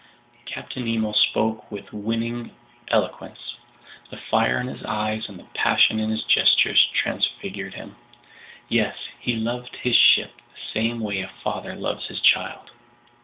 Captain Nemo spoke with winning eloquence. The fire in his eyes and the passion in his gestures transfigured him. Yes, he loved his ship the same way a father loves his child!